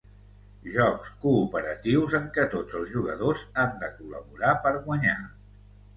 Jocs cooperatius en què tots els jugadors han de col·laborar per guanyar.